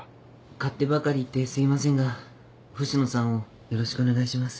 勝手ばかり言ってすいませんが星野さんをよろしくお願いします。